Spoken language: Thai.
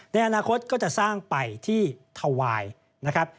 ในอนาคตก็จะสร้างไปที่ถวายนะครับ